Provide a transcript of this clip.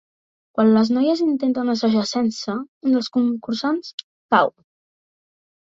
Quan les noies intenten assajar sense, un dels concursants cau.